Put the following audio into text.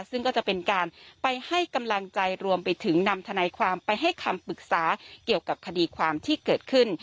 ซึ่งก็จะเป็นการไปให้กำลังใจรวมไปถึงนำทนายความไปให้คำปรึกษาเกี่ยวกับคดีความที่เกิดขึ้น